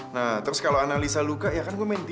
nah terus kalau analisa luka ya kan gue minta